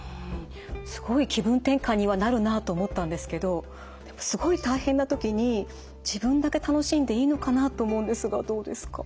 すごい気分転換にはなるなと思ったんですけどでもすごい大変な時に自分だけ楽しんでいいのかな？と思うんですがどうですか？